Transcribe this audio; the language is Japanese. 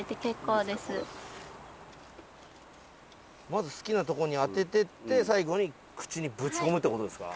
まず好きな所に当てていって最後に口にぶち込むって事ですか？